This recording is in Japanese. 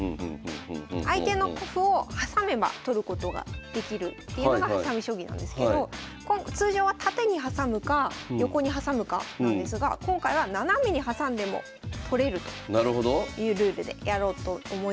相手の歩を挟めば取ることができるっていうのがはさみ将棋なんですけど通常はタテに挟むかヨコに挟むかなんですが今回はナナメに挟んでも取れるというルールでやろうと思います。